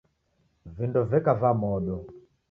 Vindo veka va modo.